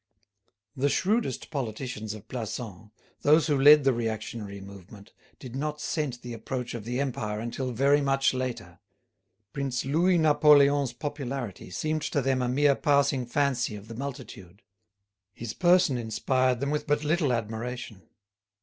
The shrewdest politicians of Plassans, those who led the reactionary movement, did not scent the approach of the Empire until very much later. Prince Louis Napoleon's popularity seemed to them a mere passing fancy of the multitude. His person inspired them with but little admiration.